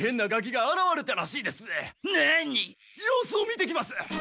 様子を見てきます。